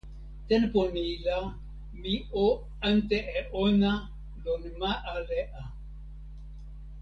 tenpo ni la mi o ante e ona lon ma ale a.